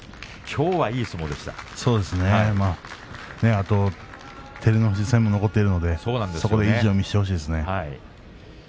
あと照ノ富士戦も残っているので意地を見せてほしいですね。